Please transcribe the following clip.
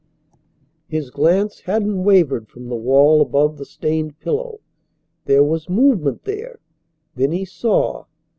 His glance hadn't wavered from the wall above the stained pillow. There was movement there. Then he saw.